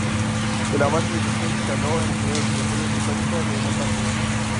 En la Base Decepción se instaló el primer observatorio vulcanológico de la Antártida.